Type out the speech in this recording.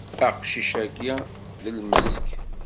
Aqcic-agi d lmesk.